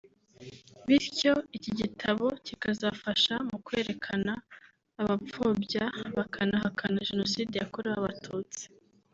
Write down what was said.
bityo iki gitabo kikazafasha mu kwerekana abapfobya bakanahakana Jenoside yakorewe Abatutsi